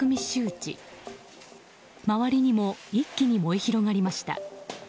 周りにも一気に燃え広がりました。